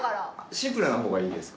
シンプルな方がいいですか？